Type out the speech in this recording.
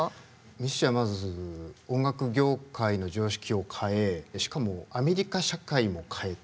ミッシーはまず音楽業界の常識を変えしかもアメリカ社会も変えて。